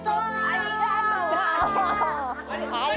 ありがとう。